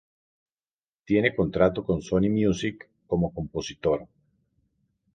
Tiene contrato con Sony Music como compositor.